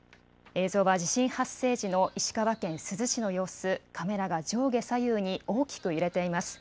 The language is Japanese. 映像は地震発生時の石川県珠洲市の様子、カメラが上下左右に大きく揺れています。